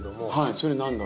それ何だろう？